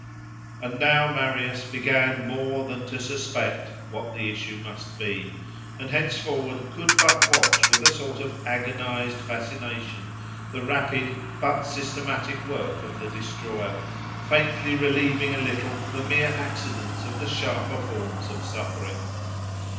And now Marius began more than to suspect what the issue must be, and henceforward could but watch with a sort of agonised fascination the rapid but systematic work of the destroyer, faintly relieving a little the mere accidents of the sharper forms of suffering.